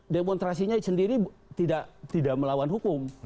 demonstrasinya sendiri tidak melawan hukum